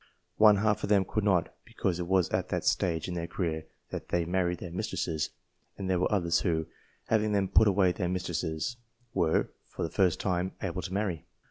One half of them could not, because it was at that stage in their career that they married their mistresses ; and there were others who, having then put away their mistresses, were, for the first time, able to marry.